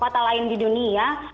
kota lain di dunia